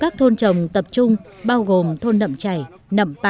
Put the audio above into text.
các thôn trồng tập trung bao gồm thôn nậm chảy nậm bản màu phìn